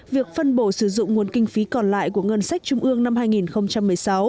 việc phân bổ sử dụng nguồn kinh phí còn lại của ngân sách trung ương năm hai nghìn một mươi sáu